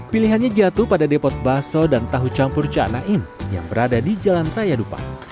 pilihannya jatuh pada depot bakso dan tahu campur cak nain yang berada di jalan raya dupa